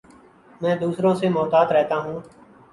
میں دوسروں سے محتاط رہتا ہوں